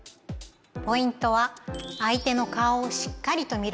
ポイントは相手の顔をしっかりと見ること。